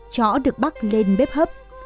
chõ được bắt lên bếp hấp